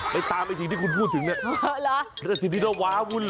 ไปตามไอ้สิ่งที่คุณพูดถึงสิ่งที่เราวาวุ้นเลย